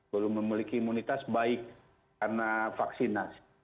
belum memiliki imunitas baik karena vaksinasi